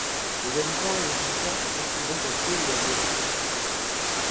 Les habitants et les visiteurs y circulent donc à pied ou à vélo.